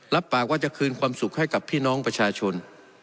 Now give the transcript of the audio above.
รับปากว่าจะคืนความสุขให้กับพี่น้องประชาชน